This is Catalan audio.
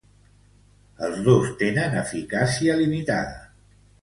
Els dos tenen eficàcia limitada.